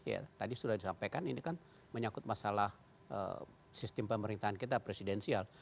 ya tadi sudah disampaikan ini kan menyangkut masalah sistem pemerintahan kita presidensial